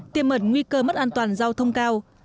tiêm ẩn nguy cơ mất an toàn giao thông cao